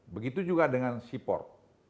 begitu juga dengan sipor